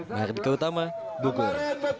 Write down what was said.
mahardika utama bogor